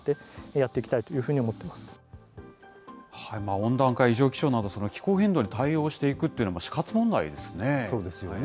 温暖化、異常気象など、気候変動に対応していくというのは、死活問題ですそうですよね。